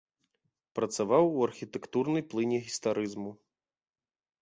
Працаваў у архітэктурнай плыні гістарызму.